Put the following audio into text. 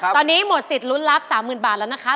ตอนนี้หมดสิทธิ์ลุ้นรับ๓๐๐๐บาทแล้วนะคะ